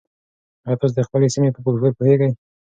ایا تاسي د خپلې سیمې په فولکلور پوهېږئ؟